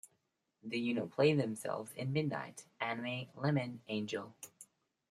The unit played themselves in Midnight Anime Lemon Angel.